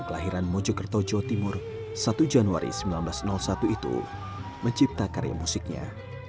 lahiran mojokertojo timur satu januari seribu sembilan ratus satu itu mencipta karya musiknya